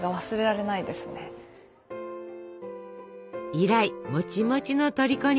以来もちもちのとりこに。